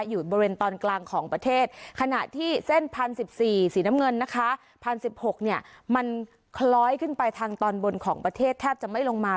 อยู่บริเวณตอนกลางของประเทศขณะที่เส้น๑๐๑๔สีน้ำเงินนะคะ๑๐๑๖เนี่ยมันคล้อยขึ้นไปทางตอนบนของประเทศแทบจะไม่ลงมา